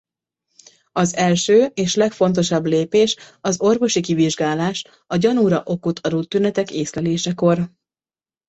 Az első és legfontosabb lépés az orvosi kivizsgálás a gyanúra okot adó tünetek észlelésekor.